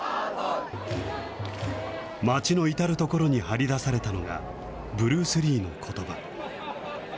街の至る所に貼り出されたのが、ブルース・リーのことば。